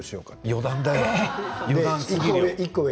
余談だよ。